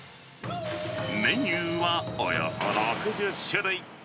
メニューはおよそ６０種類。